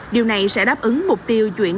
điều này sẽ đáp ứng mục tiêu chuyển